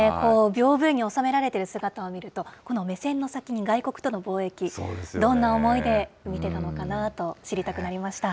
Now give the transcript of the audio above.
びょうぶ絵に収められている姿を見ると、この目線の先に、外国との貿易、どんな思いで見てたのかなと知りたくなりました。